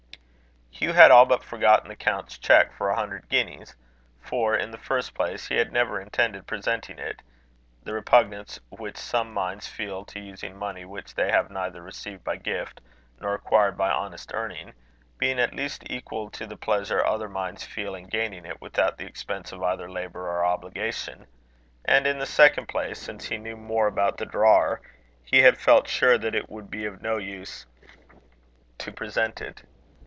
Hugh had all but forgotten the count's cheque for a hundred guineas; for, in the first place, he had never intended presenting it the repugnance which some minds feel to using money which they have neither received by gift nor acquired by honest earning, being at least equal to the pleasure other minds feel in gaining it without the expense of either labour or obligation; and in the second place, since he knew more about the drawer, he had felt sure that it would be of no use to present it.